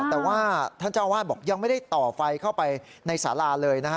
แต่ว่าท่านเจ้าอาวาสบอกยังไม่ได้ต่อไฟเข้าไปในสาราเลยนะฮะ